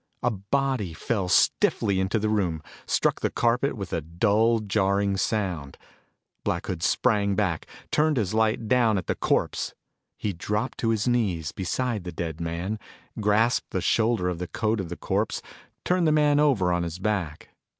A body fell stiffly into the room, struck the carpet with a dull, jarring sound. Black Hood sprang back, turned his light down at the corpse. He dropped to his knees beside the dead man, grasped the shoulder of the coat of the corpse, turned the man over on his back.